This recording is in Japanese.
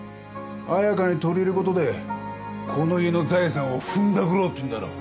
綾香に取り入る事でこの家の財産をふんだくろうっていうんだろう？